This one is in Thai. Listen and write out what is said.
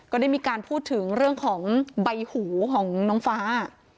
ก็ได้มีการพูดถึงเรื่องของใบหูของน้องฟ้า